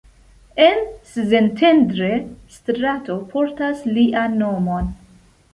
En Szentendre strato portas lian nomon.